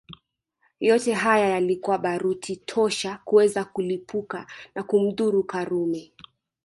Yote haya yalikuwa baruti tosha kuweza kulipuka na kumdhuru Karume